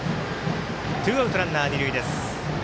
ツーアウト、ランナー、二塁です。